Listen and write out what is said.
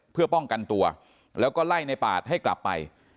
เพื่อป้องกันตัวแล้วก็ไล่ในปาดให้กลับไป